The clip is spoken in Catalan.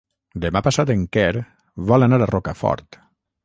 Demà passat en Quer vol anar a Rocafort.